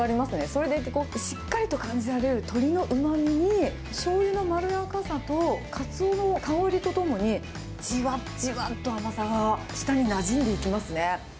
それでいてしっかりと感じられる鶏のうまみに、しょうゆのまろやかさと、カツオの香りとともに、じわっじわっと甘さが舌になじんでいきますね。